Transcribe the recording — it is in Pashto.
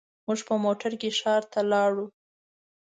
موږ په موټر کې ښار ته لاړو.